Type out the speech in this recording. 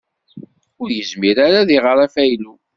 Ur yezmir ara ad iɣer afaylu.